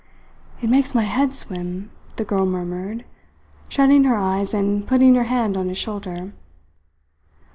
"It makes my head swim," the girl murmured, shutting her eyes and putting her hand on his shoulder.